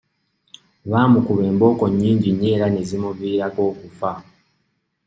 Baamukuba embooko nnyingi nnyo era ne zimuviirako okufa.